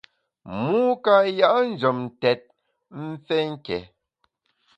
Mû ka ya’ njem tèt mfé nké.